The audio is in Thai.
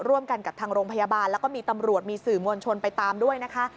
ร่วมกันกับทางโรงพยาบาลแล้วก็มีตำรวจมีสื่อมวลชนไปตามด้วยนะคะ